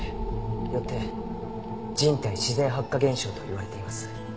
よって人体自然発火現象といわれています。